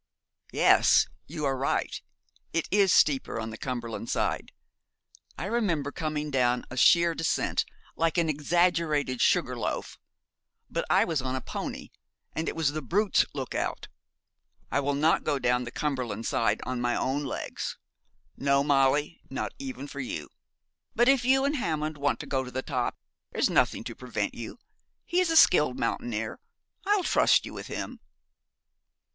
Yes, you are right. It is steeper on the Cumberland side. I remember coming down a sheer descent, like an exaggerated sugar loaf; but I was on a pony, and it was the brute's look out. I will not go down the Cumberland side on my own legs. No, Molly, not even for you. But if you and Hammond want to go to the top, there is nothing to prevent you. He is a skilled mountaineer. I'll trust you with him.'